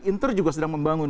inter juga sedang membangun